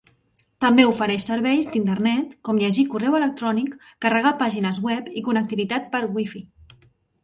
També ofereix serveis d'Internet com llegir correu electrònic, carregar pàgines web i connectivitat per Wi-Fi.